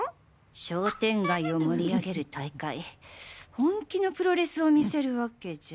商店街を盛り上げる大会本気のプロレスを見せるワケじゃ。